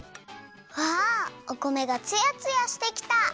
わあおこめがつやつやしてきた！